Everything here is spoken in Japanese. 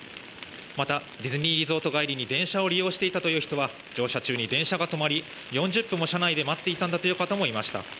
また、ディズニーリゾート帰りに電車を利用していた人は乗車中に電車が止まり４０分も車内で待っていたんだという方もいました。